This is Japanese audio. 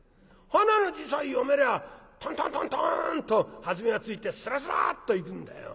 はなの字さえ読めりゃトントントントンと弾みがついてスラスラッといくんだよ。